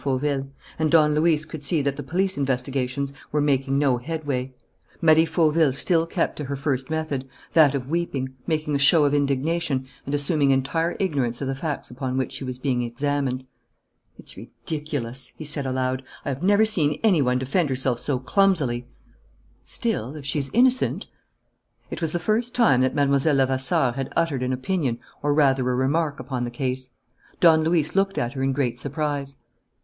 Fauville; and Don Luis could see that the police investigations were making no headway. Marie Fauville still kept to her first method, that of weeping, making a show of indignation, and assuming entire ignorance of the facts upon which she was being examined. "It's ridiculous," he said, aloud. "I have never seen any one defend herself so clumsily." "Still, if she's innocent?" It was the first time that Mlle. Levasseur had uttered an opinion or rather a remark upon the case. Don Luis looked at her in great surprise.